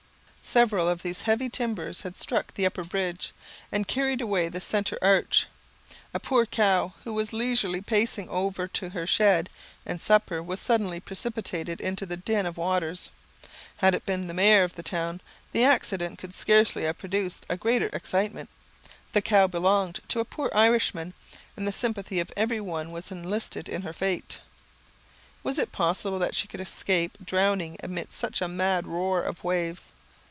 Several of these heavy timbers had struck the upper bridge, and carried away the centre arch. A poor cow, who was leisurely pacing over to her shed and supper, was suddenly precipitated into the din of waters. Had it been the mayor of the town, the accident could scarcely have produced a greater excitement. The cow belonged to a poor Irishman, and the sympathy of every one was enlisted in her fate. Was it possible that she could escape drowning amid such a mad roar of waves?